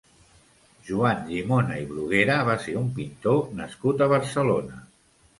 Joan Llimona i Bruguera va ser un pintor nascut a Barcelona.